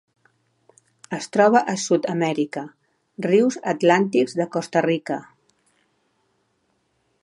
Es troba a Sud-amèrica: rius atlàntics de Costa Rica.